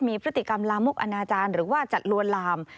มีพฤติกรรมลามกอนาจารย์หรือว่าจัดลวนลาม